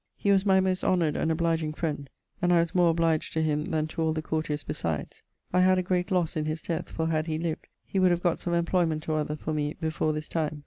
He was my most honoured and obligeing friend, and I was more obliged to him then to all the courtiers besides. I had a great losse in his death, for, had he lived, he would have got some employment or other for me before this time.